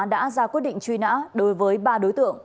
đã ra quyết định truy nã đối với ba đối tượng